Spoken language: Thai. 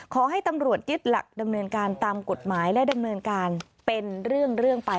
ขอให้ตำรวจยึดหลักดำเนินการตามกฎหมายและดำเนินการเป็นเรื่องไป